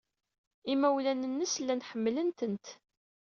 Imawlan-nnes llan ḥemmlen-tent.